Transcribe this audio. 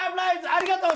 ありがとう！